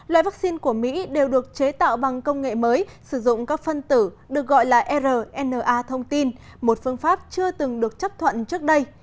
loại vaccine của mỹ đều được chế tạo bằng công nghệ mới sử dụng các phân tử được gọi là rna thông tin một phương pháp chưa từng được chấp thuận trước đây